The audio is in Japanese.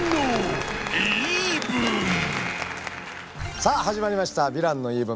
さあ始まりました「ヴィランの言い分」。